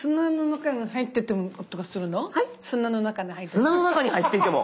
砂の中に入ってても。